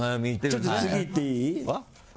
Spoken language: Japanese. ちょっと次いっていい？